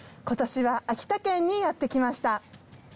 今年は秋田県にやって来ました。